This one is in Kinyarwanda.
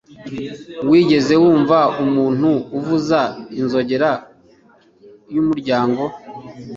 Wigeze wumva umuntu avuza inzogera y'umuryango